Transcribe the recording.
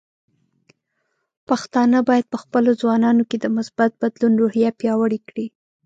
پښتانه بايد په خپلو ځوانانو کې د مثبت بدلون روحیه پیاوړې کړي.